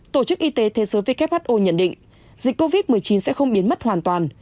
tổ chức y tế thế giới who nhận định dịch covid một mươi chín sẽ không biến mất hoàn toàn